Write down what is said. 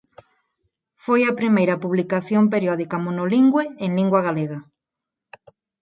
Foi a primeira publicación periódica monolingüe en lingua galega.